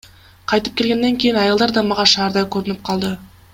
Кайтып келгенден кийин айылдар да мага шаардай көрүнүп калды.